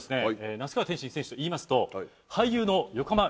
那須川天心選手といいますと俳優の横浜流星さん。